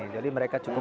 jadi mereka cukup